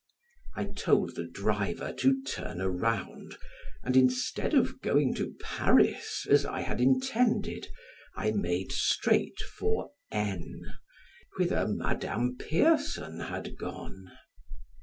I told the driver to turn around, and, instead of going to Paris as I had intended, I made straight for N , whither Madame Pierson had gone.